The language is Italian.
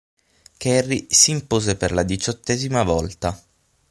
Kerry si impose per la diciottesima volta.